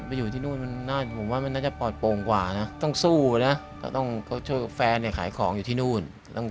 อยู่ที่นู่นผมว่ามันน่าจะปลอดโปร่งกว่านะต้องสู้นะแต่ต้องเขาช่วยแฟนเนี่ยขายของอยู่ที่นู่น